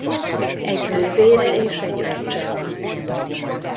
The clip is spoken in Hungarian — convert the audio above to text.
Egy nővére és egy öccse van.